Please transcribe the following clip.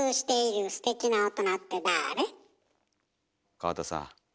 川田さん。